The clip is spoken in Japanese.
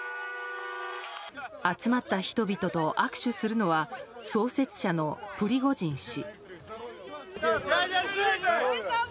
集まった人々と握手するのは創設者のプリゴジン氏。